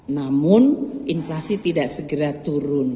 namun inflasi tidak segera turun